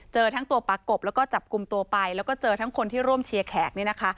เจอทั้งตัวปลากบแล้วก็จับกลุ่มตัวไปแล้วก็เจอทั้งคนที่ร่วมเชียร์แขกเนี่ยนะคะ